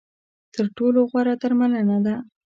تر ټولو غوره درملنه ده .